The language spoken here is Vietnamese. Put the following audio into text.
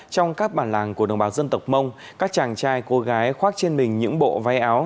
trong các bản làng của đồng bào dân tộc mông các chàng trai cô gái khoác trên mình những bộ váy áo